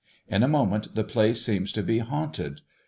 In a moment the place seems to be haunted.